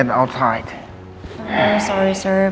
untuk riki oh sudah